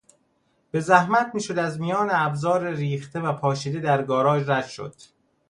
به زحمت میشد از میان ابزار ریخته و پاشیده در گاراژ رد شد.